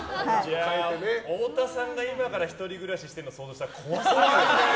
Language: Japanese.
太田さんが今から１人暮らししてるの想像したら、怖すぎるよね。